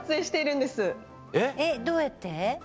どうやって？